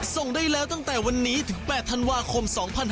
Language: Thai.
ส่งได้แล้วตั้งแต่วันนี้ถึง๘ธันวาคม๒๕๕๙